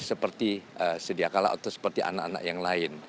seperti sediakala atau seperti anak anak yang lain